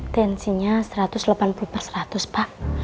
tensinya satu ratus delapan puluh persatus pak